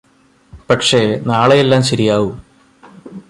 പക്ഷെ നാളെയെല്ലാം ശരിയാവും